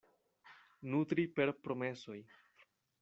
Nutri per promesoj.